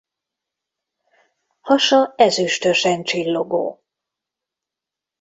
Hasa ezüstösen csillogó.